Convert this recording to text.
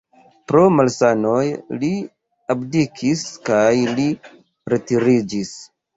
Pro malsanoj li abdikis kaj li retiriĝis.